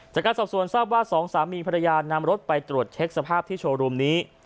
จากการสอบสวนทราบว่าสองสามีภรรยานำรถไปตรวจเช็คสภาพที่โชว์รูมนี้